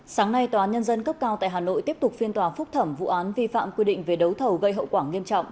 sáng nay tòa nhân dân cấp cao tại hà nội tiếp tục phiên tòa phúc thẩm vụ án vi phạm quy định về đấu thầu gây hậu quả nghiêm trọng